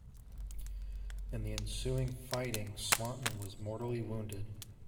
In the ensuing fighting, Swanton was mortally wounded.